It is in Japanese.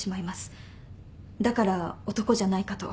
だから男じゃないかと。